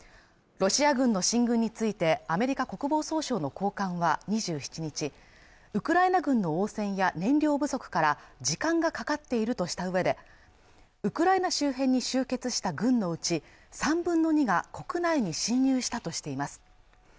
ロシア軍の進軍についてアメリカ国防総省の高官は２７日ウクライナ軍の応戦や燃料不足から時間がかかっているとしたうえでウクライナ周辺に集結した軍のうち３分の２が国内に侵入したとしています